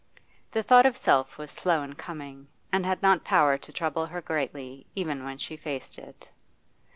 The thought of self was slow in coming, and had not power to trouble her greatly even when she faced it.